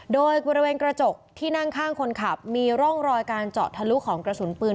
โดยบริเวณกระจกที่นั่งข้างคนขับมีร่องรอยการเจาะทะลุของกระสุนปืน